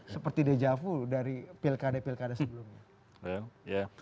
seperti dejavu dari pilkada pilkada sebelumnya